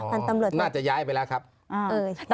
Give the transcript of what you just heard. พันธุ์ตำรวจโทกิติน่าจะย้ายไปแล้วครับเออใช่